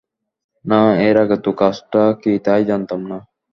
না, এর আগে তো কাজটা কি তাই জানতাম না।